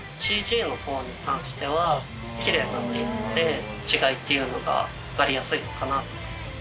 ＣＧのほうに関してはキレイになっているので違いっていうのが分かりやすいのかな。